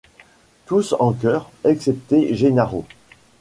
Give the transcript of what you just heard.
Tous en chœur, excepté Gennaro.